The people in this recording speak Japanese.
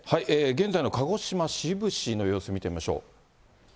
現在の鹿児島・志布志の様子見てみましょう。